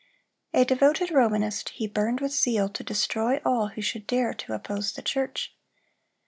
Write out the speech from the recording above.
(317) A devoted Romanist, he burned with zeal to destroy all who should dare to oppose the church.